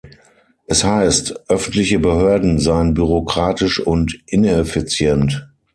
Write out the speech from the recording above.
Es heißt, öffentliche Behörden seien bürokratisch und ineffizient.